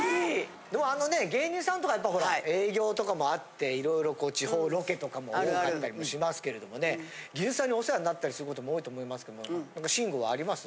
でもあのね芸人さんとかやっぱほら営業とかもあっていろいろこう地方ロケとかも多かったりもしますけれどもね技術さんにお世話になったりすることも多いと思いますけど慎吾もあります？